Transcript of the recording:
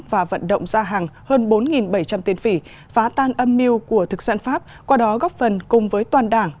và vận động ra hàng hơn bốn bảy trăm linh tiền phỉ phá tan âm mưu của thực dân pháp qua đó góp phần cùng với toàn đảng